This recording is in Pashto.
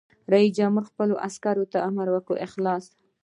رئیس جمهور خپلو عسکرو ته امر وکړ؛ خلاص!